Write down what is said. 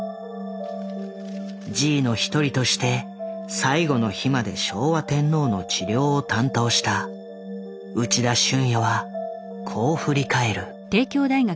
侍医の一人として最後の日まで昭和天皇の治療を担当した内田俊也はこう振り返る。